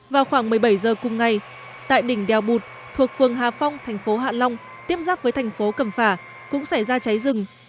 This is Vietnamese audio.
vào khoảng một mươi bảy giờ cùng ngày tại đỉnh đèo bụt thuộc phường hà phong thành phố hạ long tiếp giáp với thành phố cẩm phả cũng xảy ra cháy rừng